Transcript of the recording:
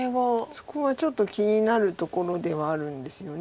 そこはちょっと気になるところではあるんですよね。